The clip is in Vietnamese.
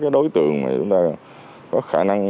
đối tượng mà chúng ta có khả năng